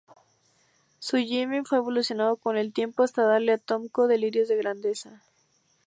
Su gimmick fue evolucionando con el tiempo hasta darle a Tomko delirios de grandeza.